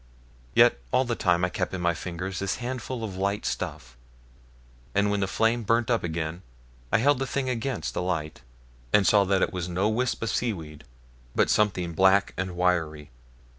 Yet all the time I kept in my fingers this handful of light stuff; and when the flame burnt up again I held the thing against the light, and saw that it was no wisp of seaweed, but something black and wiry.